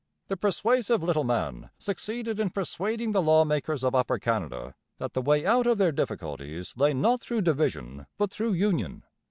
The persuasive little man succeeded in persuading the law makers of Upper Canada that the way out of their difficulties lay not through division but through union.